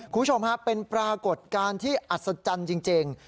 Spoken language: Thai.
คุณผู้ชมฮะเป็นปรากฏการณ์ที่อัศจรรย์จริง